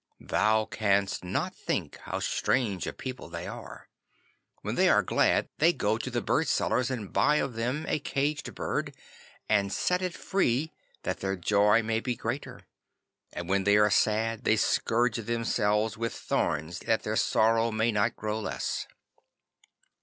Thou canst not think how strange a people they are. When they are glad they go to the bird sellers and buy of them a caged bird, and set it free that their joy may be greater, and when they are sad they scourge themselves with thorns that their sorrow may not grow less.